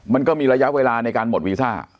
มันก็มีระยะเวลาในการหมดวีซ่า